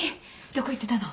どこ行ってたの？